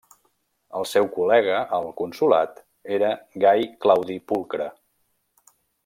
El seu col·lega al consolat era Gai Claudi Pulcre.